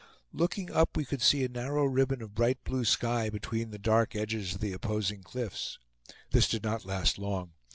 Looking up, we could see a narrow ribbon of bright blue sky between the dark edges of the opposing cliffs. This did not last long.